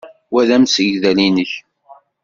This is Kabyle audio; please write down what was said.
Wa d amsegdal-nnek?